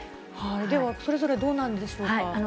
では、それぞれどうなんでしょうか。